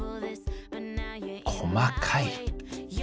細かい。